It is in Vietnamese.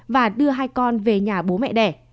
và đưa hai con về nhà bố mẹ đẻ